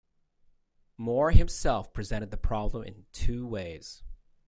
Moore himself presented the problem in two ways.